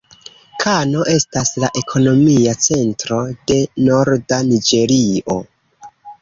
Kano estas la ekonomia centro de norda Niĝerio.